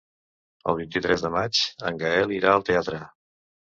El vint-i-tres de maig en Gaël irà al teatre.